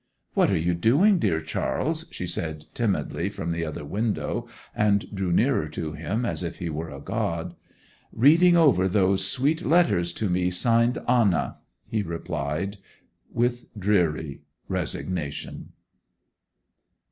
'What are you doing, dear Charles?' she said timidly from the other window, and drew nearer to him as if he were a god. 'Reading over all those sweet letters to me signed "Anna,"' he replied with dreary resignation.